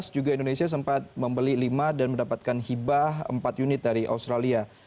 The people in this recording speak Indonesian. juga indonesia sempat membeli lima dan mendapatkan hibah empat unit dari australia